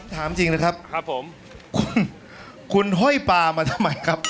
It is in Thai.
ถามจริงนะครับคุณห้อยปามาทำไมครับ